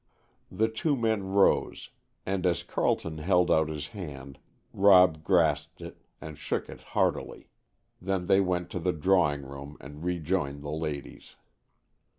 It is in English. The two men rose, and as Carleton held out his hand Rob grasped it and shook it heartily, then they went to the drawing room and rejoined the ladies.